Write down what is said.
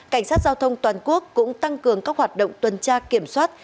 cảnh sát giao thông toàn quốc cũng tăng cường các hoạt động tuần tra kiểm soát